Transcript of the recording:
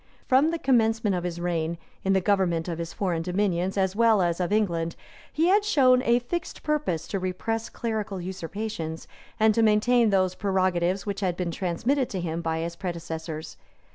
From the commencement of his reign, in the government of his foreign dominions, as well as of England, he had shown a fixed purpose to repress clerical usurpations, and to maintain those prerogatives which had been transmitted to him by his predecessors.